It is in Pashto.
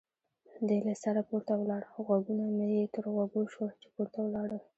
دی له سره پورته ولاړ، غږونه مې یې تر غوږو شول چې پورته ولاړل.